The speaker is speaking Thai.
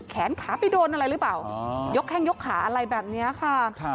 แขนขาไปโดนอะไรหรือเปล่ายกแข้งยกขาอะไรแบบนี้ค่ะ